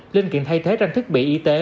linh kiện thay thế trang thức bị